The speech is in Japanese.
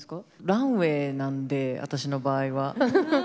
ランウェイなんで私の場合は。